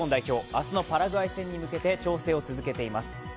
明日のパラグアイ戦に向けて調整を続けています。